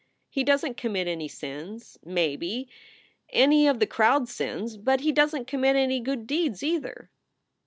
He doesn t commit any sins, maybe any of the crowd sins but he doesn t commit any good deeds, either.